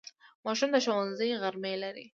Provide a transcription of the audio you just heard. ماشوم د ښوونځي غرمې لري.